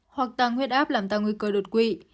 hoặc tăng huyết áp làm tăng nguy cơ đột quỵ